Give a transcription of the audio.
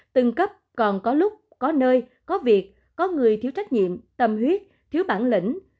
từng cấp còn có lúc có nơi có việc có người thiếu trách nhiệm tâm huyết thiếu bản lĩnh